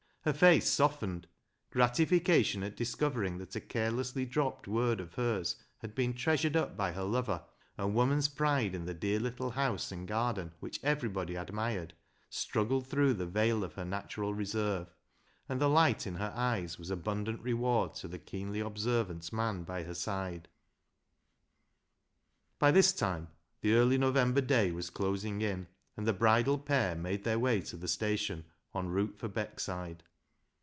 Her face softened ; gratification at discovering that a carelessly dropped word of hers had been treasured up by her lover, and woman's pride in the dear little house and garden, which every body admired, struggled through the veil of her natural reserve, and the light in her eyes was abundant reward to the keenly observant man by her side. By this time the early November day was closing in, and the bridal pair made their way to the station en route for Beckside.